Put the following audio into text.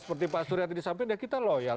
seperti pak surya tadi sampaikan ya kita loyal